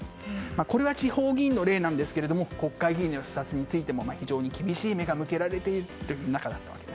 これは地方議員の例なんですけれども国会議員の視察についても非常に厳しい目が向けられました。